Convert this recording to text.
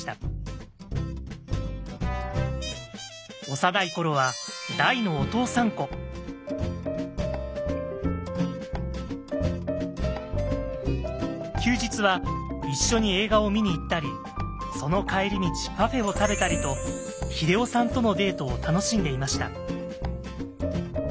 幼い頃は大の休日は一緒に映画を見に行ったりその帰り道パフェを食べたりと英夫さんとのデートを楽しんでいました。